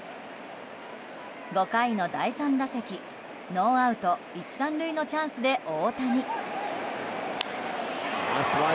５回の第３打席ノーアウト１、３塁のチャンスで大谷。